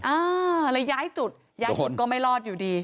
อ่าเลยย้ายจุดย้ายจุดก็ไม่รอดอยู่ดี